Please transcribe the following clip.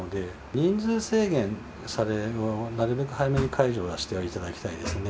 人数制限をなるべく早めに解除はしていただきたいですね。